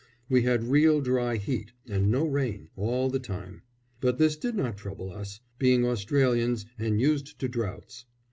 We had real dry heat, and no rain, all the time; but this did not trouble us, being Australians, and used to droughts.